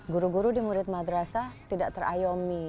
guru guru di murid madrasah tidak terayomi